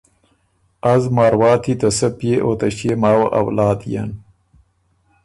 از مارواتی ته سۀ پئے او ته ݭيې ماوه اولاد يېن